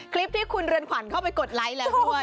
คลิปที่คุณเรือนขวัญเข้าไปกดไลค์แล้วด้วย